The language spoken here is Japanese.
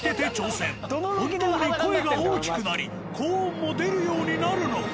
本当に声が大きくなり高音も出るようになるのか？